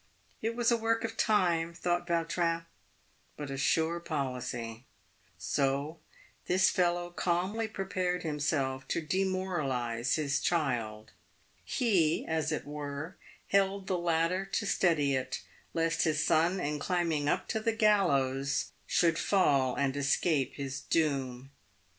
It was a work of time, thought Vautrin, but a sure policy. So this fellow calmly prepared himself to demoralise his child. He, as it were, held the ladder to steady it, lest his son, in climbing up to the gallows, should fall and escape his doom.